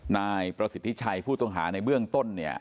นายประสิทธิชัยผู้ต้องหาในเบื้องต้นเนี่ย